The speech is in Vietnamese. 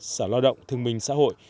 xã lo động thương minh xã hội